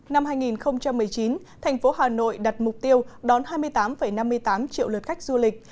năm hai nghìn một mươi chín thành phố hà nội đặt mục tiêu đón hai mươi tám năm mươi tám triệu lượt khách du lịch